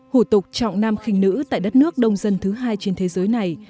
hủ tục trọng nam khinh nữ tại đất nước đông dân thứ hai trên thế giới này